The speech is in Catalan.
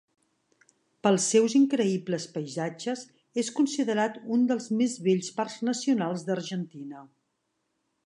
Pels seus increïbles paisatges, és considerat un dels més bells parcs nacionals d'Argentina.